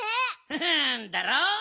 フフンだろ？